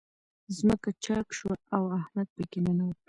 ځمکه چاک شوه، او احمد په کې ننوت.